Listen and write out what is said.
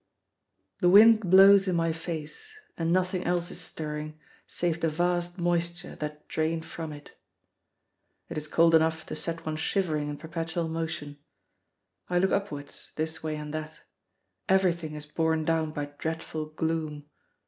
The wind blows in my face, and nothing else is stirring save the vast moisture that drain from it. It is cold enough to set one shivering in perpetual motion. I look upwards, this way and that; everything is borne down by dreadful gloom.